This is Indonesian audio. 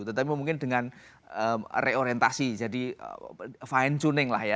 tetapi mungkin dengan reorientasi jadi fine tuning lah ya